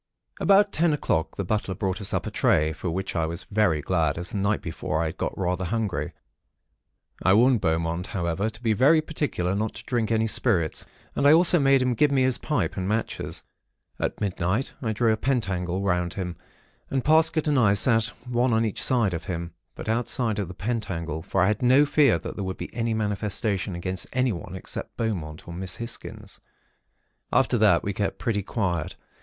"About ten o'clock, the butler brought us up a tray; for which I was very glad; as the night before I had got rather hungry. I warned Beaumont, however, to be very particular not to drink any spirits, and I also made him give me his pipe and matches. At midnight, I drew a pentacle round him, and Parsket and I sat one on each side of him; but outside of the pentacle; for I had no fear that there would be any manifestation made against anyone, except Beaumont or Miss Hisgins. "After that, we kept pretty quiet.